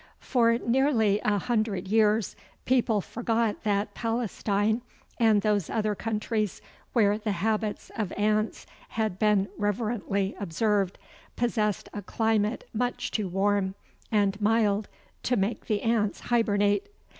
For nearly a hundred years people forgot that Palestine and those other countries where the habits of ants had been reverently observed possessed a climate much too warm and mild to make the ants hibernate.